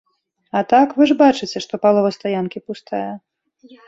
А так, вы ж бачыце, што палова стаянкі пустая.